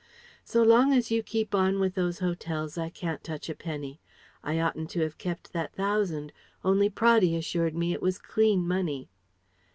"So long as you keep on with those Hotels I can't touch a penny. I oughtn't to have kept that thousand, only Praddy assured me it was 'clean' money."